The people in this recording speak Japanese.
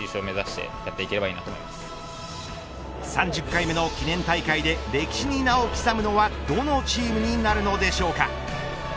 ３０回目の記念大会で歴史に名を刻むのはどのチームになるのでしょうか。